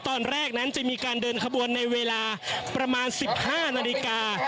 ตอนแรกนั้นจะมีการเดินขบวนในเวลาประมาณ๑๕นาฬิกา